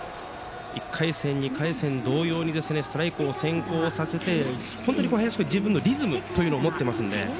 １回戦、２回戦同様にストライクを先行させて本当に林君自分のリズムというのを持ってますので。